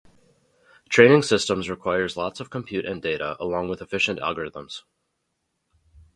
Training systems requires lots of compute and data, along with efficient algorithms.